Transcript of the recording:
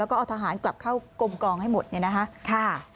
แล้วก็เอาทหารกลับเข้ากลมกลองให้หมดเนี่ยนะคะ